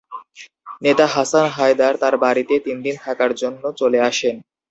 নেতা হাসান হায়দার তার বাড়িতে তিনদিন থাকার জন্য চলে আসেন।